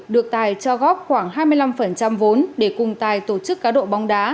được tài cho góp khoảng hai mươi năm vốn để cùng tài tổ chức cá độ bóng đá